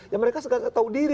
ya mereka tahu diri